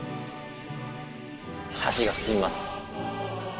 箸が進みます。